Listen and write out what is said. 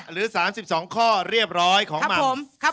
หรือ๓๒ข้อเรียบร้อยของหมักผม